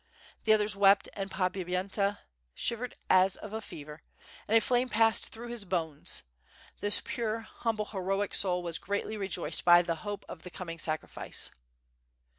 The others wept, and Podbipy enta shivered as of a fever, and a flame passed through his bones; this pure, humble, heroic soul was greatly rejoiced by the hope of the coming sacrifice.